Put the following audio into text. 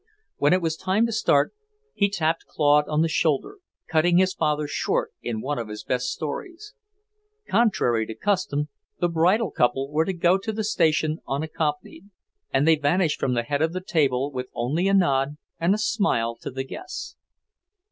When it was time to start, he tapped Claude on the shoulder, cutting his father short in one of his best stories. Contrary to custom, the bridal couple were to go to the station unaccompanied, and they vanished from the head of the table with only a nod and a smile to the guests.